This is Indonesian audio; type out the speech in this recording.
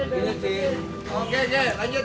oke lanjut lanjut